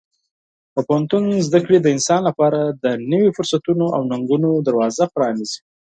د پوهنتون زده کړې د انسان لپاره د نوي فرصتونو او ننګونو دروازه پرانیزي.